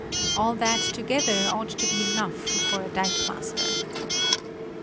All that together ought to be enough for a dikemaster."